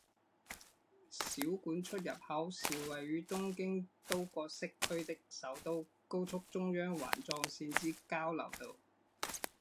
小菅出入口是位于东京都葛饰区的首都高速中央环状线之交流道。